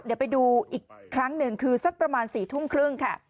เดี๋ยวไปดูอีกครั้งหนึ่งคือสักประมาณ๔ทุ่มครึ่งค่ะ